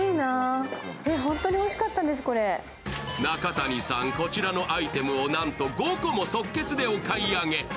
中谷さん、こちらのアイテムをなんと５個も即決でお買い上げ。